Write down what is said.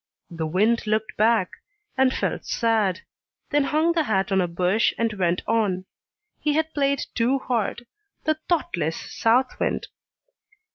The wind looked back, and felt sad, then hung the hat on a bush, and went on. He had played too hard, the thoughtless south wind!